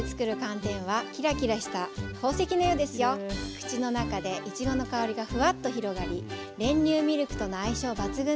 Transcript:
口の中でいちごの香りがフワッと広がり練乳ミルクとの相性抜群です。